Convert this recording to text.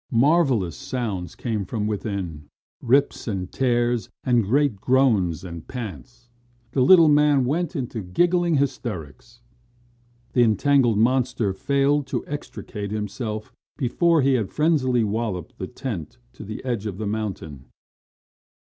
Marvellous sounds came from within rips and tears, and great groans and pants. The little man went into giggling hysterics. The entangled monster failed to extricate himself before he had frenziedly walloped the tent to the edge of the mountain.